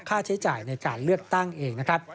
ค่าใช้จ่ายในการเลือกตั้งเองนะครับ